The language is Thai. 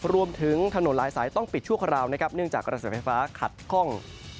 รวมถึงถนนหลายสายต้องปิดชั่วคราวนะครับเนื่องจากกระแสไฟฟ้าขัดคล่อง